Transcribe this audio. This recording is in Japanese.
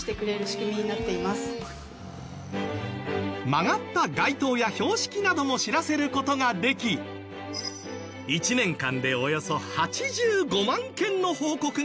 曲がった街灯や標識なども知らせる事ができ１年間でおよそ８５万件の報告があったそう。